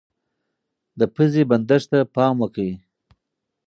د پوزې بندښت ته پام وکړئ.